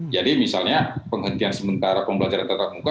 jadi misalnya penghentian sementara pembelajaran tetap muka